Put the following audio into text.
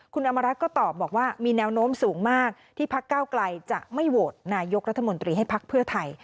คุณอำมารัฐก็ตอบบอกว่ามีแนวโน้มสูงมากที่พักเก้าไกลจะไม่โหวตนายกรัฐมนตรีให้พักเพื่อไทย